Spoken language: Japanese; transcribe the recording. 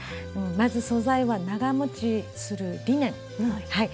まず素材は長持ちする「リネン」。